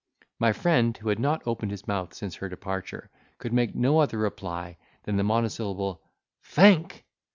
My friend, who had not opened his mouth since her departure, could make no other reply than the monosyllable "Think!"